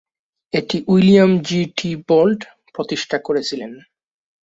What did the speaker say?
এটি William G T' Vault প্রতিষ্ঠা করেছিলেন।